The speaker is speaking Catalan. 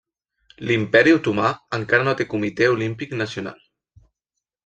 L'Imperi Otomà encara no té Comitè Olímpic Nacional.